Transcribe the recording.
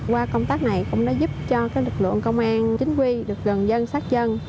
qua công tác này cũng đã giúp cho lực lượng công an chính quy được gần dân sát dân